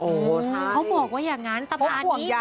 โอ้ใช่พกห่วงยางเป็นส่วนตัวหรือเปล่า